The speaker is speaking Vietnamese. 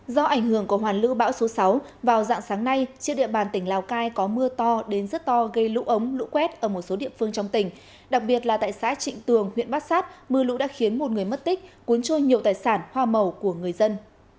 do ảnh hưởng của hoàn lưu bão số sáu vào dạng sáng nay trên địa bàn tỉnh lào cai có mưa to đến rất to gây lũ ống lũ quét ở một số địa phương trong tỉnh đặc biệt là tại xã trịnh tường huyện bát sát mưa lũ đã khiến một người mất tích cuốn trôi nhiều tài sản hoa màu của người dân